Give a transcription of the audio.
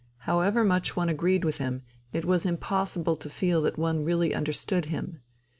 However much one agreed with him, it was impossible to feel that one really understood him.